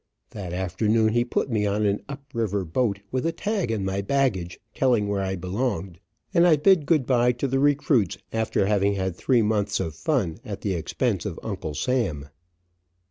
That afternoon he put me on an up river boat with a tag on my baggage telling where I belonged, and I bid good bye to the recruits, after having had three months of fun at the expense of Uncle Sam.